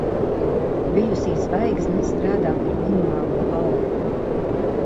Bijusī zvaigzne strādā par minimālo algu.